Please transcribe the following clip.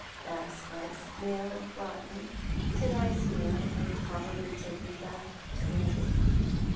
Last night's mail brought me; to night's mail may probably take me back to London.